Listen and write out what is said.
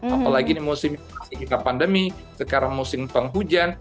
apalagi di musim pandemi sekarang musim penghujan